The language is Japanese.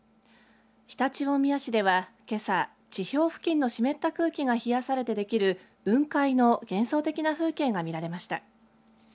常陸大宮市ではけさ、地表付近の湿った空気が冷やされてできる雲海の幻想的な風景が見られました。